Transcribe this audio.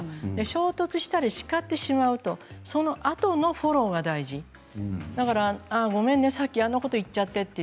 衝突したり、叱ってしまうとそのあとのフォローが大事ごめんね、さっきあんなこと言っちゃって、と。